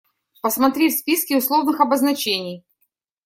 Посмотри в списке условных обозначений.